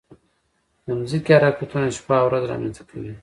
د ځمکې حرکتونه شپه او ورځ رامنځته کوي.